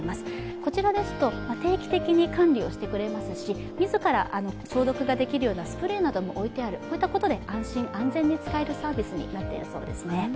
こちらですと定期的に管理をしてくれますし自ら消毒ができるようなスプレーなども置いてある、こういったことで安心・安全に使えるサービスになっているそうですね。